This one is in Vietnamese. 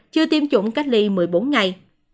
chưa tiêm chủng cách ly một mươi bốn ngày